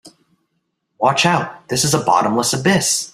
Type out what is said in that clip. Watch out, this is a bottomless abyss!